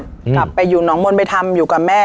กลับไปอยู่หนองมนต์ไปทำอยู่กับแม่